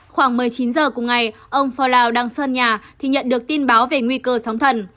khoảng một mươi chín giờ cùng ngày ông forlao đang sơn nhà thì nhận được tin báo về nguy cơ sóng thần